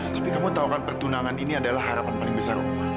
tapi kamu tahu kan pertunangan ini adalah harapan paling besar